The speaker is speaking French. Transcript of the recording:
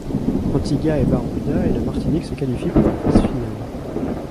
Antigua-et-Barbuda et la Martinique se qualifient pour la phase finale.